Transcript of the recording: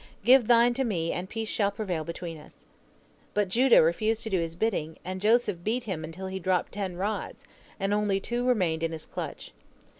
Give thine to me, and peace shall prevail between us!' But Judah refused to do his bidding, and Joseph beat him until he dropped ten rods, and only two remained in his clutch.